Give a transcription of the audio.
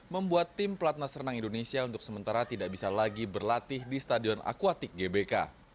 membuat tim pelatnas renang indonesia untuk sementara tidak bisa lagi berlatih di stadion akuatik gbk